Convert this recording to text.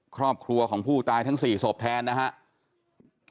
ครอบครัวของผู้ตายทั้ง๔ศพแทนนะครับ